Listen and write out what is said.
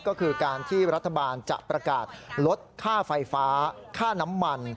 ก็คือการที่รัฐบาลจะประกาศลดค่าไฟฟ้าค่าน้ำมัน